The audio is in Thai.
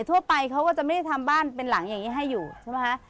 ทั่วไปเขาก็จะไม่ได้ทำบ้านเป็นหลังอย่างนี้ให้อยู่ใช่ไหมคะ